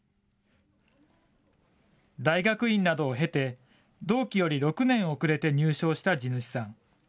大学院などを経て、同期より６年遅れて入省した地主さん。